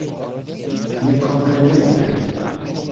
nekomprenebla